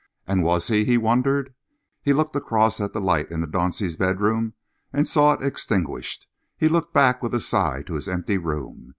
And was he, he wondered? He looked across at the light in the Daunceys' bedroom and saw it extinguished. He looked back with a sigh to his empty room.